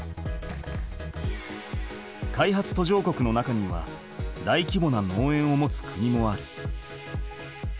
開発途上国の中にはだいきぼな農園を持つ国もある。